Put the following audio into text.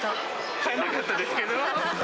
買えなかったですけど。